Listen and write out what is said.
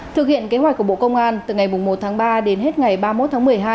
thực hiện kế hoạch của bộ công an từ ngày một tháng ba đến hết ngày ba mươi một tháng một mươi hai